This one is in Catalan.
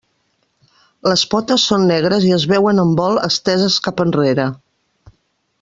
Les potes són negres i es veuen en vol esteses cap enrere.